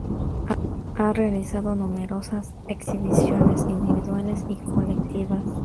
Ha realizado numerosas exhibiciones individuales y colectivas.